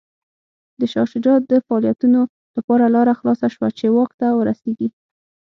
د شاه شجاع د فعالیتونو لپاره لاره خلاصه شوه چې واک ته ورسېږي.